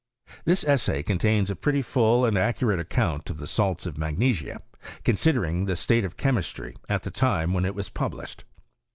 This essay contains a pretty full and accurate account of the salts of magnesia, considering the state of chemistry at the time when it was published.